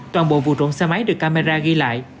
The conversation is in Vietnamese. toàn bộ vụ trộm xe máy được camera ghi lại